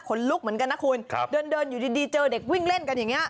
ลุกเหมือนกันนะคุณครับเดินอยู่ดีเจอเด็กวิ่งเล่นกันอย่างนี้